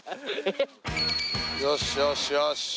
よしよしよし。